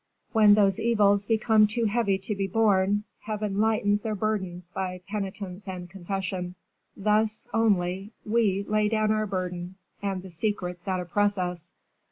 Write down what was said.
When those evils become too heavy to be borne, Heaven lightens their burdens by penitence and confession. Thus, only, we lay down our burden and the secrets that oppress us.